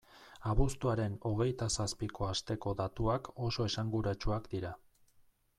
Abuztuaren hogeita zazpiko asteko datuak oso esanguratsuak dira.